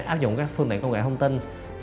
áp dụng các phương tiện công nghệ thông tin